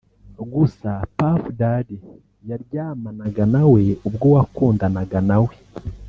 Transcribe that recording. Gusa Puff (Diddy) yaryamanaga na we ubwo wakundanaga nawe